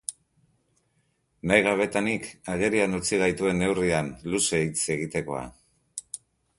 Nahi gabetanik, agerian utzi gaituen neurrian, luze hitz egitekoa.